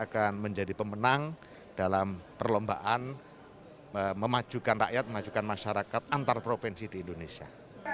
dan menjadi pemenang dalam perlombaan memajukan rakyat memajukan masyarakat antar provinsi di indonesia